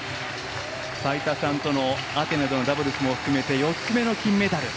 齋田さんとのアテネでのダブルスも含めて４つめの金メダル。